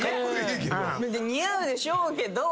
似合うでしょうけど。